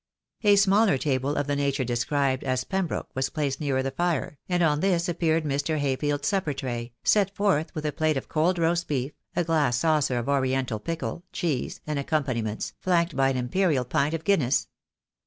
A smaller table of the nature described as Pembroke was placed nearer the fire, and on this appeared Mr. Hay field's supper tray, set forth with a plate of cold roast beef, a glass saucer of Oriental pickle, cheese, and ac companiments, flanked by an Imperial pint of Guinness".